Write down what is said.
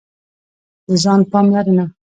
د ځان پاملرنه: